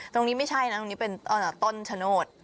ตรงนี้ไม่ใช่นะตรงนี้เป็นต้นชะโนธ